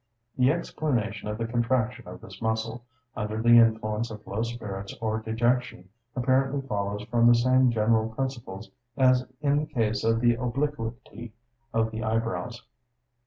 The explanation of the contraction of this muscle, under the influence of low spirits or dejection, apparently follows from the same general principles as in the case of the obliquity of the eyebrows.